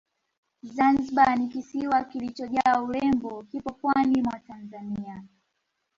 Zanzibari ni kisiwa kilichojaa urembo kipo pwani mwa Tanzania